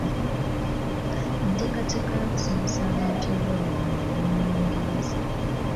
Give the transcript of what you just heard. Enteekateeka y'okusomesa abantu ebyobulimi yali mu Lungereza.